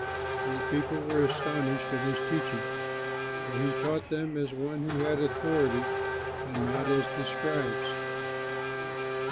And the people were astonished at his teaching, for he taught them as one who had authority, and not as the scribes.